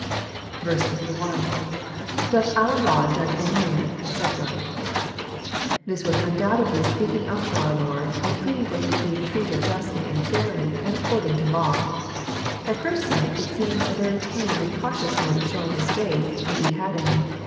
61. — {_Doth our law Judge any mant ^C] This was nndoubtedly speaking up for our Lord, and pleading for His being treated Justly and fairly, and according to law. At first sight it seems a very tame and cautious mode of showing his faith, if he had any.